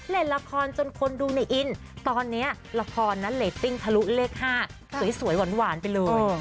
เล่นละครจนคนดูในอินตอนนี้ละครนั้นเรตติ้งทะลุเลข๕สวยหวานไปเลย